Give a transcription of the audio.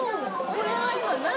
これは今何？